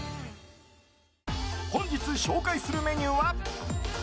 本日紹介するメニューは。